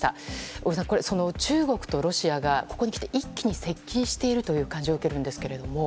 小栗さん、中国とロシアがここにきて一気に接近している感じを受けますが。